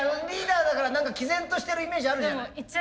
リーダーだから何かきぜんとしてるイメージあるじゃない。